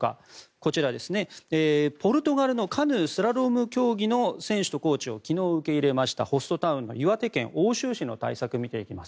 こちら、ポルトガルのカヌー・スラローム競技の選手とコーチを昨日受け入れましたホストタウンの岩手県奥州市の対策を見ていきます。